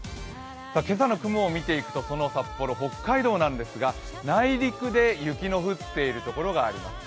今朝の雲を見ていくと札幌北海道ですが内陸で雪の降っているところがあります。